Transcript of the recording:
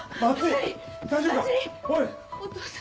お父さん。